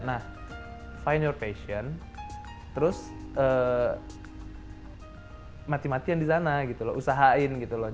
nah fine your passion terus mati matian di sana gitu loh usahain gitu loh